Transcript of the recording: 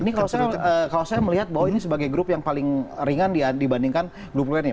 ini kalau saya melihat bahwa ini sebagai grup yang paling ringan dibandingkan grup wni